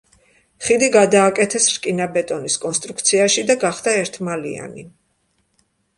ხიდი გადააკეთეს რკინაბეტონის კონსტრუქციაში და გახდა ერთმალიანი.